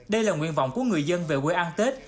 đây là nguyện vọng của người dân về quê ăn tết